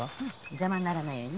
邪魔にならないようにね。